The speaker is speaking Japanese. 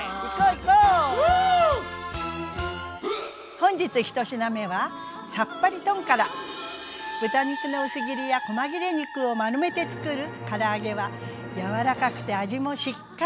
本日１品目は豚肉の薄切りやこま切れ肉を丸めてつくるから揚げは柔らかくて味もしっかり。